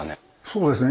そうですね